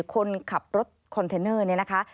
คนขับรถคอนเทนเนอร์เนี่ยนะคะ